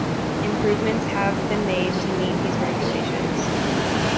Improvements have been made to meet these regulations.